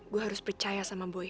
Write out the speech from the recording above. gue harus percaya sama boy